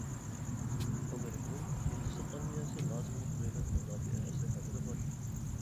ئامېرىكىنىڭ ھىندىستان ئارمىيەسى لازىملىق دۆلەت مۇداپىئە ئەسلىھەلىرى بار.